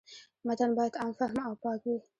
متن باید عام فهمه او پاک وي.